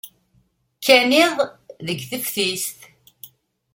Kkan iḍ deg teftist.